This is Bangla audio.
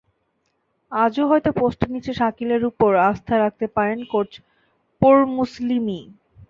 আজও হয়তো পোস্টের নিচে শাকিলের ওপর আস্থা রাখতে পারেন কোচ পোরমুসলিমি।